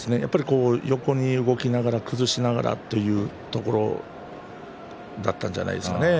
横に動きながら崩しながらというところだったんじゃないでしょうかね。